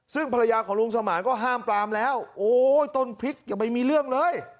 ซึ่งภรรยาของลุงสมานก็ห้ามปลามแล้วโอ้ยต้นพริกอย่าไปมีเรื่องเลย